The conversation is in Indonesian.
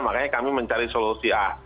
makanya kami mencari solusi a